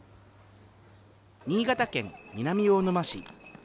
新潟県南魚沼市。